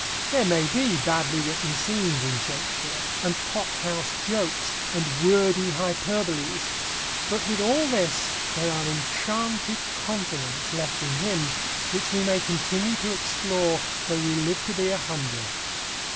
There may be badly written scenes in Shakespeare, and pot house jokes, and wordy hyperboles, but with all this there are enchanted continents left in him which we may continue to explore though we live to be a hundred.